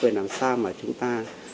về làm sao mà chúng ta